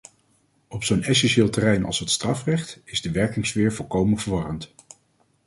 Op zo'n essentieel terrein als het strafrecht is de werkingssfeer volkomen verwarrend.